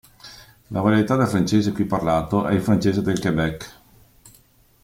La varietà del francese qui parlato è il francese del Québec.